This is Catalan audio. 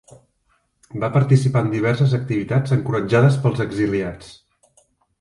Va participar en diverses activitats encoratjades pels exiliats.